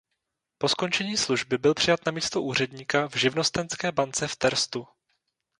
Po skončení služby byl přijat na místo úředníka v Živnostenské bance v Terstu.